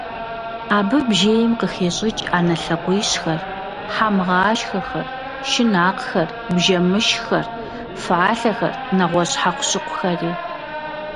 Абы бжейм къыхещӀыкӀ Ӏэнэ лъакъуищхэр, хьэмгъашхэхэр, шынакъхэр, бжэмышххэр, фалъэхэр, нэгъуэщӀ хьэкъущыкъухэри .